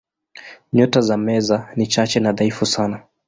Nyota za Meza ni chache na dhaifu sana.